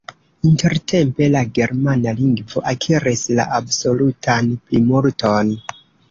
Intertempe la germana lingvo akiris la absolutan plimulton.